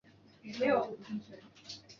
流浪者校园讲座